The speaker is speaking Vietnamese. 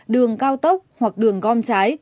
đường cao tốc hoặc đường gom trái